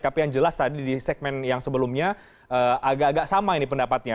tapi yang jelas tadi di segmen yang sebelumnya agak agak sama ini pendapatnya